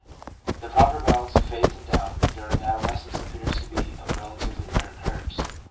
The proper balance of faith and doubt during adoles cence appears to be of relatively rare occurrence.